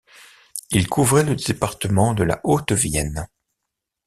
Il couvrait le département de la Haute-Vienne.